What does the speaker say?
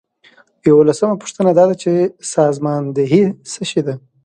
یوولسمه پوښتنه دا ده چې سازماندهي څه شی ده.